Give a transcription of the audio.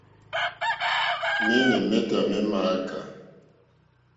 Méɲá métâ mé !mááká.